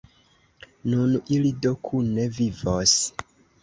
Nun ili do kune vivos!